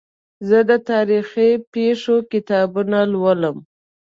زه د تاریخي پېښو کتابونه لولم.